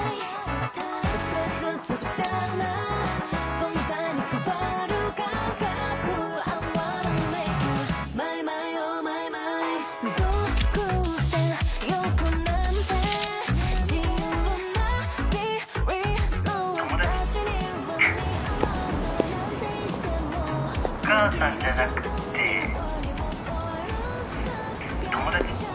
「友達」